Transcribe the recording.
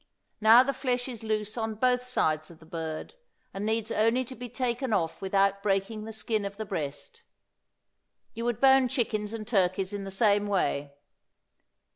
Now the flesh is loose on both sides of the bird, and needs only to be taken off without breaking the skin of the breast. You would bone chickens and turkeys in the same way.